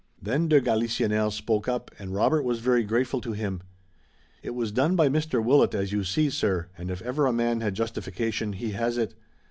Then de Galisonnière spoke up, and Robert was very grateful to him. "It was done by Mr. Willet, as you see, sir, and if ever a man had justification he has it.